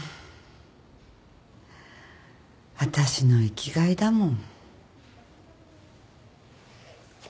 私の生きがいだもん。